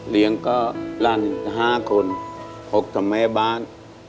เลี้ยงก็หลาน๕คน๖ทั้งแม่บ้าน